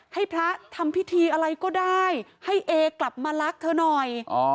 ให้พระทำพิธีอะไรก็ได้ให้เอกลับมารักเธอหน่อย